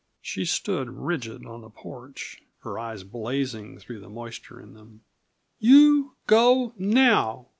She stood rigid on the porch, her eyes blazing through the moisture in them. "You go now!"